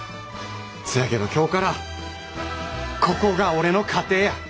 せやけど今日からここが俺の家庭や。